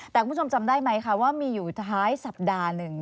แต่คุณผู้ชมจำได้ไหมคะว่ามีอยู่ท้ายสัปดาห์หนึ่ง